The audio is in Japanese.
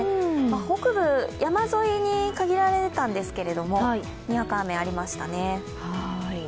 北部、山沿いに限られたんですけれども、にわか雨がありましたね。